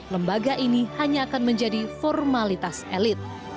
lembaga ini hanya akan menjadi formalitas elit